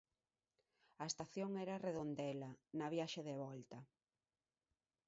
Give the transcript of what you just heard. A estación era Redondela, na viaxe de volta.